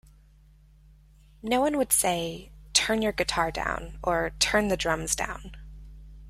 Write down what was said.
No one would say, "Turn your guitar down," or, "Turn the drums down.